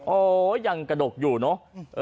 โอ้ยังกระดกอยู่เนอะ